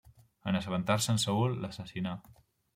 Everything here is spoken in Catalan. En assabentar-se'n Saül, l'assassinà.